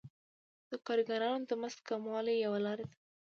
د کارګرانو د مزد کموالی یوه لاره ده